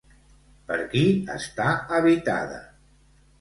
Per qui està habitada?